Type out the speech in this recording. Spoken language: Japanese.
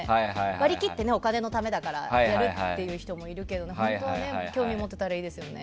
割り切ってお金のためだからやるっていう人もいるけど本当は興味持ってたらいいですけどね。